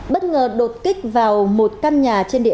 bất ngờ đột kích vào một căn nhà trên địa bàn